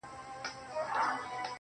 زه به هم داسي وكړم.